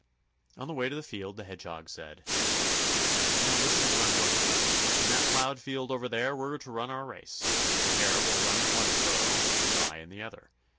On the way to the field, the Hedgehog said: "Now, listen to what I'm going to tell you. In that plowed field over there we're to run our race. The Hare will run in one furrow, and I in the other.